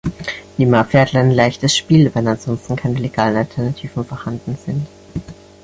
Die Mafia hat ein leichtes Spiel, wenn ansonsten keine legalen Alternativen vorhanden sind.